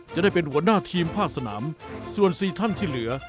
จะได้เป็นหัวหน้าทีมภาคสนามส่วนสี่ท่านที่เหลือ